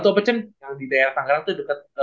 tuh apa cen yang di daerah tanggarang tuh deket